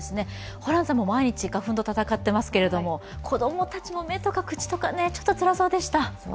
ホランさんも毎日、花粉と闘っていますけど子供たちの目とか口とかつらそうでした。